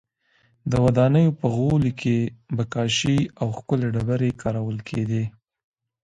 د ودانیو په غولي کې به کاشي او ښکلې ډبرې کارول کېدې